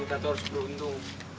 kita tuh harus beruntung